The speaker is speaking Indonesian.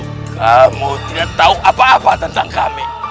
kamu tidak tahu apa apa tentang kami